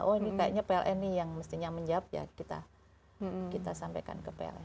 oh ini kayaknya pln nih yang mestinya menjawab ya kita sampaikan ke pln